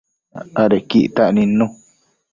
Adequi ictac nidnu